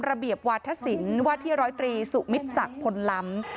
ระเบียบวาธศิลป์ว่าที่ร้อยตรีสุมิตศักดิ์พลล้ำ